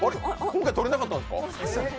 取れなかったんですか？